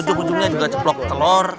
ujung ujungnya juga ceplok telur